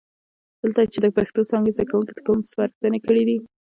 دلته یې چې د پښتو څانګې زده کوونکو ته کومې سپارښتنې کړي دي،